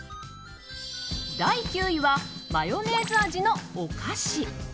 第９位は、マヨネーズ味のお菓子。